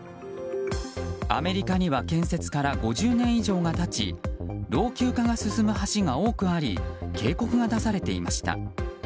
アメリカには建設から５０年以上が経ち老朽化が進む橋が多くあり警告が出されていました。